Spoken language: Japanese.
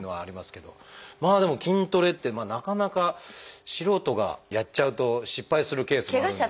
まあでも筋トレってなかなか素人がやっちゃうと失敗するケースもあるんで。